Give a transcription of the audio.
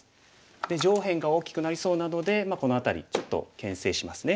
で上辺が大きくなりそうなのでこの辺りちょっとけん制しますね。